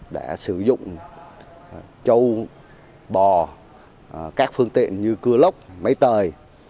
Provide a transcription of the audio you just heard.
đã sử dụng châu bò các phương tiện như cưa lốc máy tời